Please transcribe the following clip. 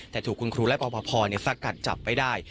แต่ถูกคุณครูและพ่อสักกัดจับไปได้